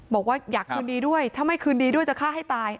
บอกว่าอยากคืนดีด้วยถ้าไม่คืนดีด้วยจะฆ่าให้ตาย